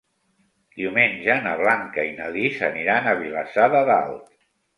Diumenge na Blanca i na Lis aniran a Vilassar de Dalt.